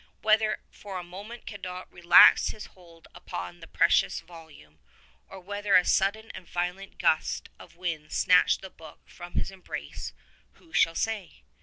Whether for a moment Cadoc relaxed his hold upon the precious volume, or whether a sudden and violent gust of wind snatched the book from his embrace — who shall say?